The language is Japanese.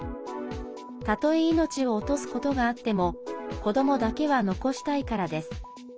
たとえ命を落とすことがあっても子どもだけは残したいからです。